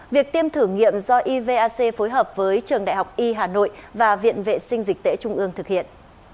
việc tiêm thử nghiệm do ivac phối hợp với trường đại học y hà nội và viện vệ sinh dịch tễ trung ương thực hiện